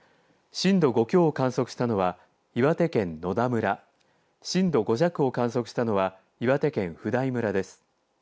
震度５強を観測したのは岩手県野田村震度５弱を観測したのは岩手県普代村です。